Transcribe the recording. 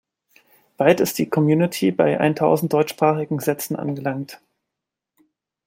Bald ist die Community bei eintausend deutschsprachigen Sätzen angelangt.